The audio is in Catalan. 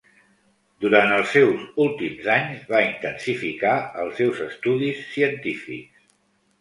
Durant els seus últims anys va intensificar els seus estudis científics.